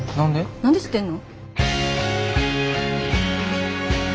何で知ってんの？